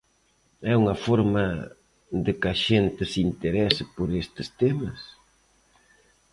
É unha forma de que a xente se interese por estes temas?